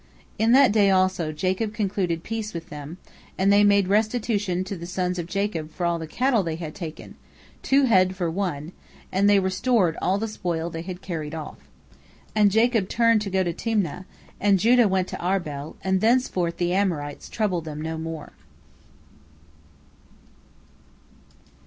In that day also Jacob concluded peace with them, and they made restitution to the sons of Jacob for all the cattle they had taken, two head for one, and they restored all the spoil they had carried off. And Jacob turned to go to Timna, and Judah went to Arbel, and thenceforth the Amorites troubled them no more.